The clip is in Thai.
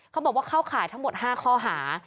เขาบอกว่าเข้าข่ายทั้งหมด๕ข้อหา